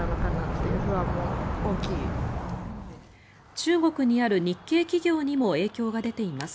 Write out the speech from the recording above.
中国にある日系企業にも影響が出ています。